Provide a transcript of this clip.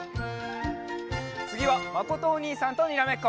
つぎはまことおにいさんとにらめっこ！